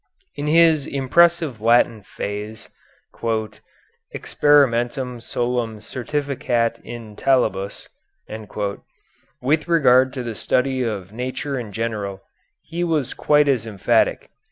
In his impressive Latin phrase "experimentum solum certificat in talibus." With regard to the study of nature in general he was quite as emphatic.